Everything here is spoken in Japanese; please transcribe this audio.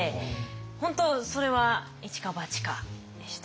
本当それは一か八かでした。